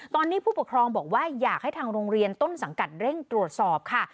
ตอนนี้ผู้ปกครองบอกว่าอยากให้ทางโรงเรียนต้นสังกัดเร่งตรวจสอบค่ะ